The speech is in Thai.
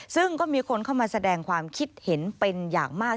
ซึ่งก็มีคนเข้ามาแสดงความคิดเห็นเป็นอย่างมาก